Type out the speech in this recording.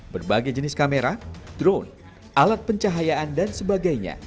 berbagai jenis kamera drone alat pencahayaan dan sebagainya